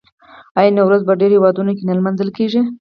آیا نوروز په ډیرو هیوادونو کې نه لمانځل کیږي؟